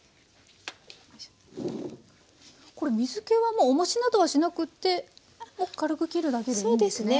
これ水けはもうおもしなどはしなくっても軽くきるだけでいいんですね？